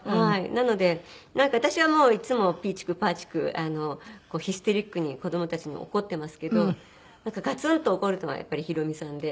なので私はもういつもピーチクパーチクヒステリックに子供たちに怒っていますけどガツンと怒るのはやっぱりヒロミさんで。